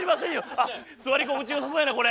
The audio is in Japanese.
あ座り心地良さそうやなこれ。